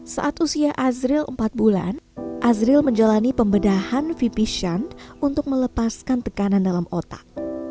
saat usia azril empat bulan azril menjalani pembedahan vipishan untuk melepaskan tekanan dalam otak